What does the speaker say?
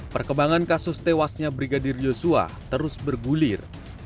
perkembangan kasus tewasnya brigadir yosua terus bergulir